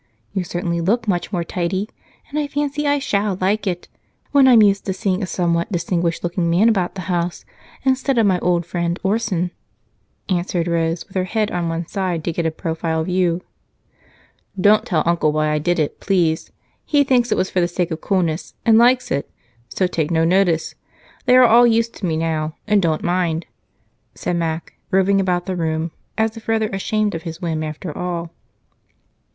You certainly look much more tidy, and I fancy I shall like it when I'm used to seeing a somewhat distinguished looking man about the house instead of my old friend Orson," answered Rose, with her head on one side to get a profile view. "Don't tell Uncle why I did it, please he thinks it was for the sake of coolness and likes it, so take no notice. They are all used to me now, and don't mind," said Mac, roving about the room as if rather ashamed of his whim after all.